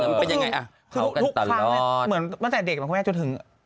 มันเป็นยังไงอ่ะเต้ากันตลอดแม่เหมือนเมื่อแต่เด็กแม่คุณแม่จะถึง